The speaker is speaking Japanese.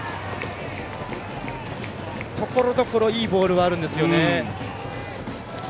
ところどころいいボールがあるんですよね。